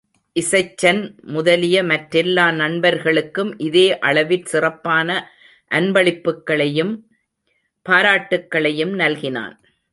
இசைச்சன் முதலிய மற்றெல்லா நண்பர்களுக்கும் இதே அளவிற் சிறப்பான அன்பளிப்புக்களையும் பாராட்டுக்களையும் நல்கினான்.